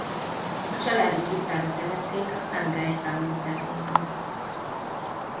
A családi kriptába temették a San Gaetano templomban.